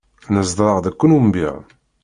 Nezdeɣ deg Kulumbya.